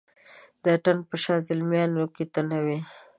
د اتڼ په شاه زلمیانو کې ته نه یې